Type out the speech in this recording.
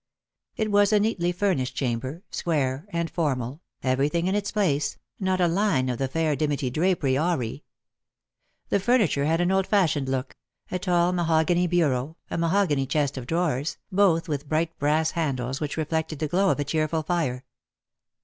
It was a neatly furnished chamber, square and formal, every thing in its place, not a line of the fair dimity drapery awry. The furniture had an old fashioned look — a tall mahogany bureau, a mahogany chest of drawers, both with bright brass handles which reflected the glow of a cheerful fire.